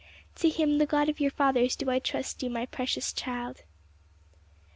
To him, the God of your fathers, do I trust you, my precious child."